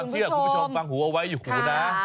เฒ่าไว้อยู่หูน้า